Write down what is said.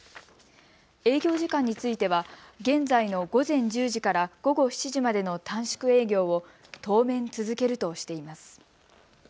営業時間については現在の午前１０時から午後７時までの短縮営業を当面、続けるとしています。